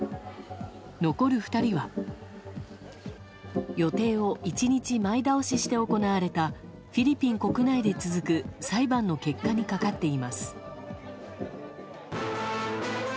残る２人は予定を１日前倒して行われたフィリピン国内で続く裁判の結果にかかっています。